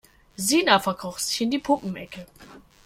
Sina verkroch sich in die Puppenecke.